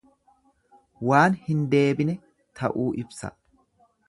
Waan hin deebine ta'uu ibsa.